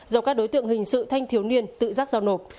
do các đối tượng hình sự thanh thiếu niên tự giác giao nộp